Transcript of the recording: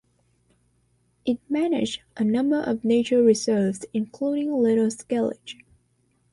It manages a number of nature reserves including Little Skellig.